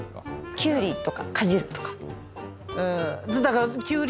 きゅうりとかかじるとか？